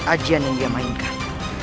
ajian yang dia mainkan